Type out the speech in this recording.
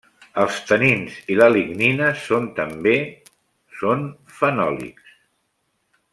Els tanins i la lignina són també són fenòlics.